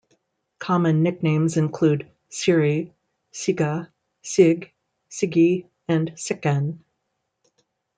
Common nicknames include Siri, Sigga, Sig, Sigi, and Sickan.